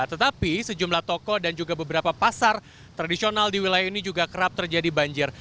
tetapi sejumlah toko dan juga beberapa pasar tradisional di wilayah ini juga kerap terjadi banjir